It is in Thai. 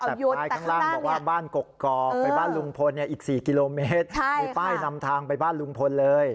แต่ป้ายข้างล่างบอกว่าบ้านกกอกไปบ้านลุงพลอีก๔กิโลเมตรมีป้ายนำทางไปบ้านลุงพลเลย